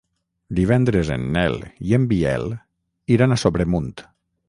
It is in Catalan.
Divendres en Nel i en Biel iran a Sobremunt.